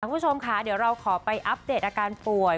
คุณผู้ชมค่ะเดี๋ยวเราขอไปอัปเดตอาการป่วย